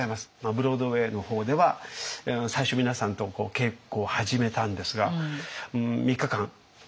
ブロードウェイの方では最初皆さんと稽古を始めたんですが３日間「大丈夫ですか！